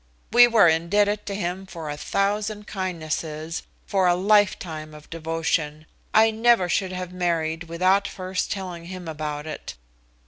We were indebted to him for a thousand kindnesses, for a lifetime of devotion. I never should have married without first telling him about it.